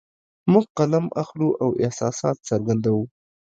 موږ قلم اخلو او احساسات څرګندوو